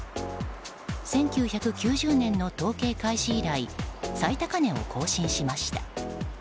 １９９０年の統計開始以来最高値を更新しました。